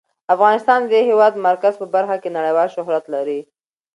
افغانستان د د هېواد مرکز په برخه کې نړیوال شهرت لري.